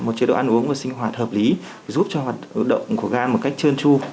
một chế độ ăn uống và sinh hoạt hợp lý giúp cho hoạt động của gan một cách trơn tru